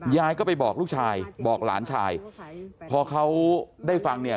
ยายก็ไปบอกลูกชายบอกหลานชายพอเขาได้ฟังเนี่ย